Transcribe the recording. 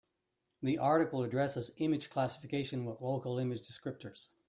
The article addresses image classification with local image descriptors.